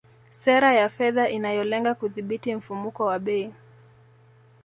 Sera ya fedha inayolenga kudhibiti mfumuko wa bei